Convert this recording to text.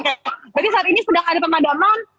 berarti saat ini sedang ada pemadaman